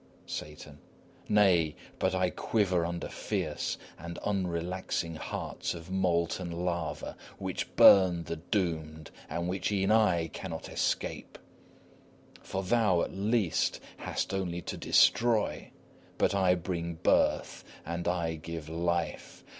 SATAN. Nay, but I quiver under fierce and unrelaxing hearts of molten lava, which burn the doomed and which e'en I cannot escape. For thou, at least, hast only to destroy. But I bring birth and I give life.